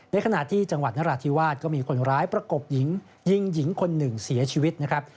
ในขณะที่จังหวัดนราธิวาสก็มีคนร้ายประกบหญิงยิงหญิงคนหนึ่งเสียชีวิตนะครับ